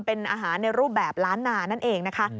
เป็นอาหารในรูปแบบล้านนานั่นเองนะคะ